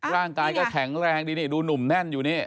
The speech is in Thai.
ร่างกายก็แข็งแรงดีนี่ดูหนุ่มแน่นอยู่นี่